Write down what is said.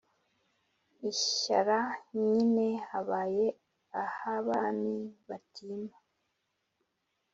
i shyara nyine habaye ah'abami batima